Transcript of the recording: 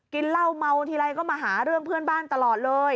กินเหล้าเมาทีไรก็มาหาเรื่องเพื่อนบ้านตลอดเลย